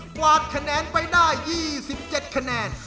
กวาดคะแนนไปได้ยี่สิบเจ็ดคะแนน